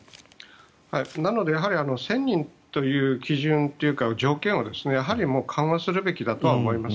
なのでやはり１０００人という基準というか条件を緩和するべきだとは思います。